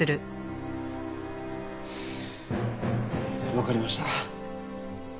わかりました。